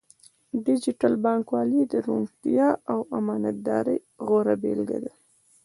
ډیجیټل بانکوالي د روڼتیا او امانتدارۍ غوره بیلګه ده.